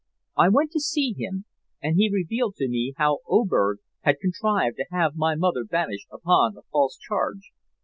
I went to see him, and he revealed to me how Oberg had contrived to have my mother banished upon a false charge.